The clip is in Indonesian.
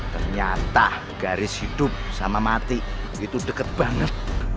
ternyata garis hidup sama mati itu deket banget